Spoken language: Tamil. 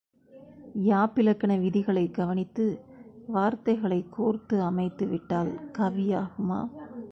யாப்பிலக்கண விதிகளைக் கவனித்து வார்த்தைகளைக் கோர்த்து அமைத்து விட்டால் கவியாகுமா?